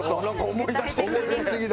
思い出してきた。